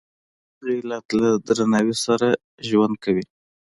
غیرت له درناوي سره ژوند کوي